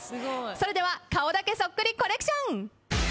それでは顔だけそっくりコレクション。